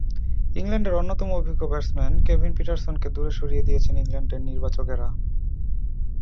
ইংল্যান্ডের অন্যতম অভিজ্ঞ ব্যাটসম্যান কেভিন পিটারসেনকে দূরে সরিয়ে দিয়েছেন ইংল্যান্ডের নির্বাচকেরা।